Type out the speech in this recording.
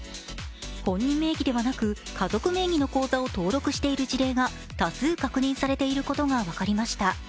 本人名義ではなく家族名義の口座を登録している事例が多数確認されていることが分かりました。